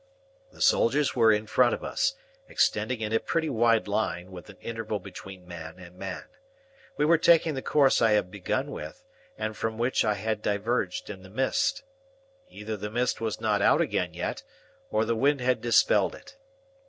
The soldiers were in front of us, extending into a pretty wide line with an interval between man and man. We were taking the course I had begun with, and from which I had diverged in the mist. Either the mist was not out again yet, or the wind had dispelled it.